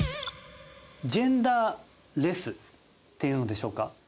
ジェンダーレスっていうのでしょうか。